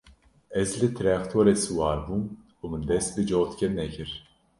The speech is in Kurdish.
Ez li trextorê siwar bûm û min dest bi cotkirinê kir.